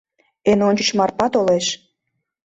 Эн ончыч Марпа толеш.